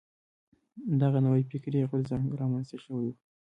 دغه نوی فکري غورځنګ را منځته شوی و.